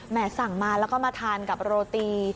สั่งมาแล้วก็มาทานกับโรตี